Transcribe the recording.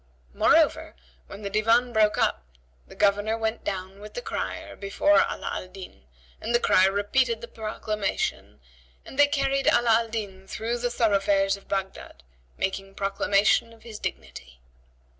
Moreover, when the Divan broke up, the Governor went down with the crier before Ala Al Din!" and the crier repeated the proclamation and they carried Ala al Din through the thoroughfares of Baghdad, making proclamation of his dignity.